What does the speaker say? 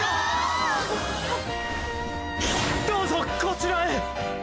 どうぞこちらへ！